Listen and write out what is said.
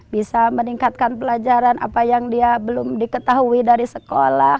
bisa meningkatkan pelajaran apa yang dia belum diketahui dari sekolah